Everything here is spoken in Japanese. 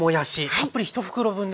たっぷり１袋分ですね。